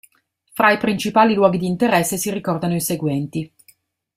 Fra i principali luoghi di interesse si ricordano i seguenti.